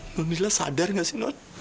nondila sadar gak sih non